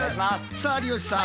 さあ有吉さん